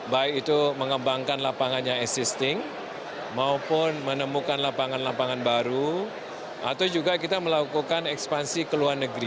baik itu mengembangkan lapangan yang existing maupun menemukan lapangan lapangan baru atau juga kita melakukan ekspansi ke luar negeri